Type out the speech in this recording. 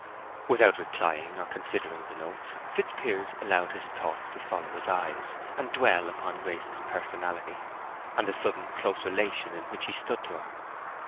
Without replying or considering the notes, Fitzpiers allowed his thoughts to follow his eyes, and dwell upon Grace's personality, and the sudden close relation in which he stood to her.